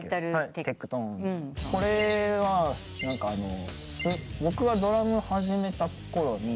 これは僕がドラムを始めたころに。